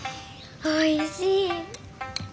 おいしい。